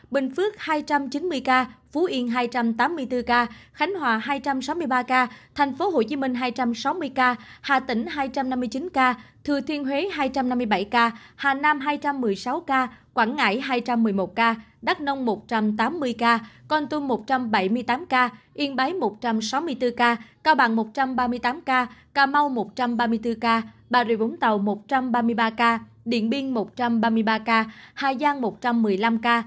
bình phước hai trăm chín mươi ca phú yên hai trăm tám mươi bốn ca khánh hòa hai trăm sáu mươi ba ca thành phố hồ chí minh hai trăm sáu mươi ca hà tĩnh hai trăm năm mươi chín ca thừa thiên huế hai trăm năm mươi bảy ca hà nam hai trăm một mươi sáu ca quảng ngãi hai trăm một mươi một ca đắk nông một trăm tám mươi ca con tum một trăm bảy mươi tám ca yên báy một trăm sáu mươi bốn ca cao bằng một trăm ba mươi tám ca cà mau một trăm ba mươi bốn ca bà rịa vũng tàu một trăm ba mươi ba ca điện biên một trăm ba mươi ba ca hà giang một trăm một mươi năm ca bình phước hai trăm chín mươi ca phú yên hai trăm tám mươi bốn ca khánh hòa hai trăm sáu mươi ba ca thành phố hồ chí minh hai trăm sáu mươi ca hà tĩnh hai trăm năm mươi chín ca thừa thiên huế hai trăm năm mươi bảy ca hà nam hai trăm một mươi sáu ca quảng ngãi hai trăm một mươi một ca đắk nông một trăm tám mươi ca